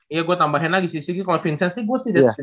iya gua tambahin lagi sih kalau vincent sih gua sih